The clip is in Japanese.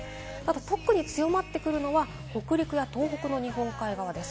特に強まってくるのが北陸や東北の日本海側です。